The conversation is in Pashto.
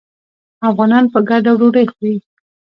افغانان په ګډه ډوډۍ خوري.